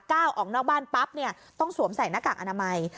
ก้าวออกนอกบ้านปั๊บต้องสวมใส่หน้ากากอนามัย